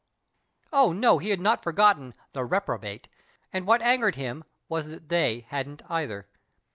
Oh, no, he had not forgotten The Reprobate, and what angered him was that tlu^y hadn't, either.